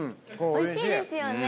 おいしいですね。